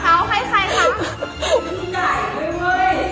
กลับมารมันทราบ